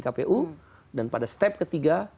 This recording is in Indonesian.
kpu dan pada step ketiga